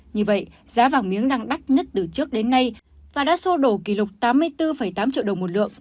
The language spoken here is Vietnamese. như vậy giá vàng miếng đang đắt nhất từ trước đến nay và đã sô đổ kỷ lục tám mươi bốn tám triệu đồng một lượng